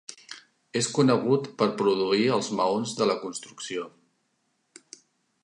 És conegut per produir els maons de la construcció.